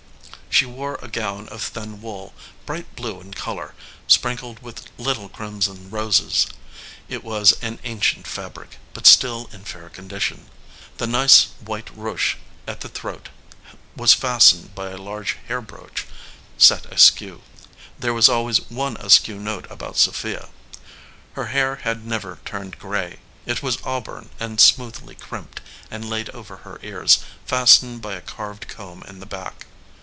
She wore a gown of thin wool, bright blue in color, sprinkled with little crimson roses. It was an ancient fabric, but still in fair condition. The nice, white ruche at the throat was 237 EDGEWATER PEOPLE fastened by a large hair brooch, set askew. There was always one askew note about Sophia. Her hair had never turned gray. It was auburn and smoothly crimped, and laid over her ears, fastened by a carved comb in the back.